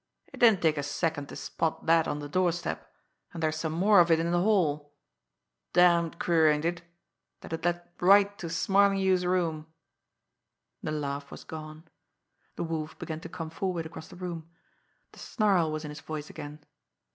It didn't take a second to spot that on the doorstep, and there's some more of it in the hall. Damned queer, ain't it that it led right to Smarlinghue's room!" The laugh was gone. The Wolf began to come forward across the room. The snarl was in his voice again.